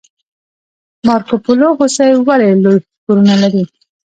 مارکوپولو هوسۍ ولې لوی ښکرونه لري؟